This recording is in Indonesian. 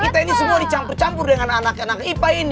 kita ini semua dicampur campur dengan anak anak ipa ini